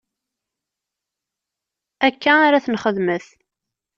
Akka ara t-nxedmet.